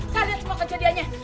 kak radit semua kejadiannya